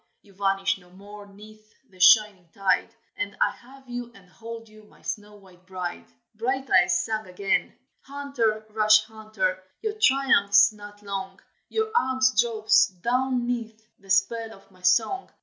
You vanish no more 'neath the shining tide, And I have you and hold you, my snow white bride!" Brighteyes sang again: "Hunter, rash hunter, your triumph's not long, Your arm drops down 'neath the spell of my song.